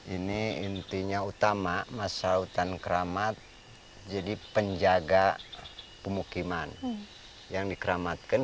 ini intinya utama masa hutan keramat jadi penjaga pemukiman yang dikeramatkan